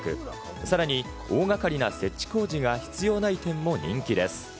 さらに大掛かりな設置工事が必要ない点も人気です。